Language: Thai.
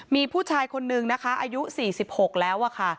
มีผู้ชายคนนึงนะคะอายุ๔๖แล้วค่ะ